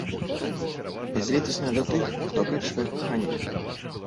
Бязлітасная да тых, хто адпрэчвае каханне.